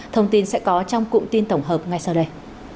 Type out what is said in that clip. thông tin sẽ có trong cụm tin tổng hợp ngay sau đây